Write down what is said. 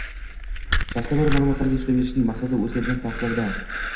Shaxsga doir ma’lumotlarga ishlov berishning maqsadi o‘zgargan taqdirda